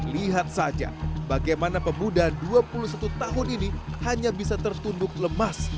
lihat saja bagaimana pemuda dua puluh satu tahun ini hanya bisa tertunduk lemas